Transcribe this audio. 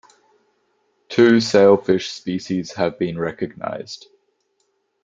Two sailfish species have been recognized.